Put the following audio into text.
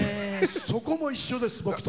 そこも一緒です、僕と。